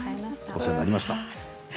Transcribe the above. お世話になりました。